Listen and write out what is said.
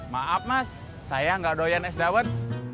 maaf mas saya nggak doyan es dawet